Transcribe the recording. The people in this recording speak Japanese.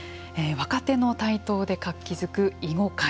若手の台頭で活気づく囲碁界。